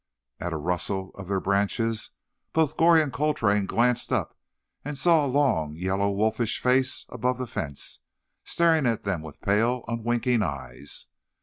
At a rustle of their branches, both Goree and Coltrane glanced up, and saw a long, yellow, wolfish face above the fence, staring at them with pale, unwinking eyes.